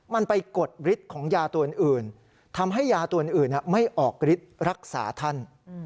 มันไปกดฤทธิ์ของยาตัวอื่นทำให้ยาตัวอื่นไม่ออกฤทธิ์รักษาท่าน